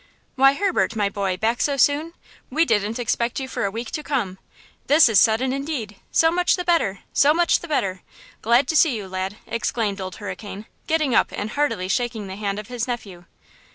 "Why, Herbert, my boy, back so soon? We didn't expect you for a week to come. This is sudden, indeed! So much the better! so much the better! Glad to see you, lad!" exclaimed Old Hurricane, getting up and heartily shaking the hand of his nephew.